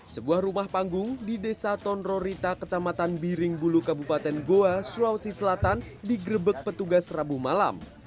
sebuah rumah panggung di desa tonrorita kecamatan biring bulu kabupaten goa sulawesi selatan digrebek petugas rabu malam